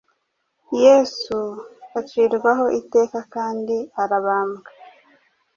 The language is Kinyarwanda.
Yesu acirwaho iteka kandi arabambwa .